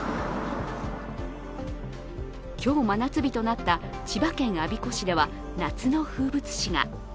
今日、真夏日となった千葉県我孫子市では夏の風物詩が。